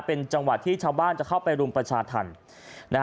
เป็นจังหวะที่ชาวบ้านจะเข้าไปรุมประชาธรรมนะฮะ